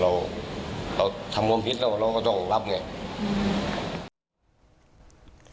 เราทำวงพิษเราก็ต้องรับเนี่ย